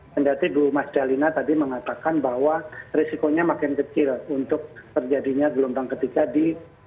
ternyata ibu mas jalina tadi mengatakan bahwa risikonya makin kecil untuk terjadinya gelombang ketiga di dua ribu dua puluh dua